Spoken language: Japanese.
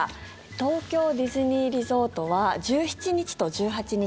東京ディズニーリゾートは１７日と１８日